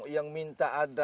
yang minta ada